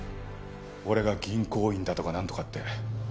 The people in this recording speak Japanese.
俺が銀行員だとかなんとかって。